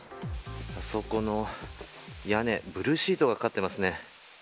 あそこの屋根ブルーシートがかかっていますね。